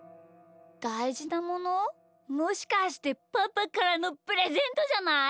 「だいじなもの」？もしかしてパパからのプレゼントじゃない？